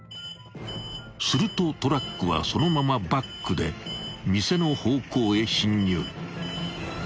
［するとトラックはそのままバックで店の方向へ進入］